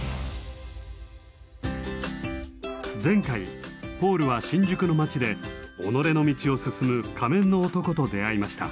前回ポールは新宿の街で己の道を進む仮面の男と出会いました。